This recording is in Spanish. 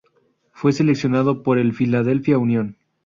Fue seleccionado por el Philadelphia Union.